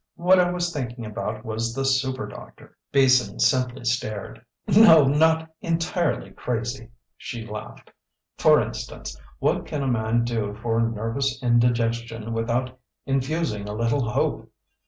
"What I was thinking about was the superdoctor." Beason simply stared. "No, not entirely crazy," she laughed. "For instance: what can a man do for nervous indigestion without infusing a little hope?